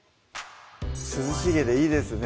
涼しげでいいですね